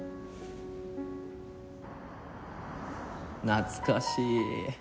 懐かしい。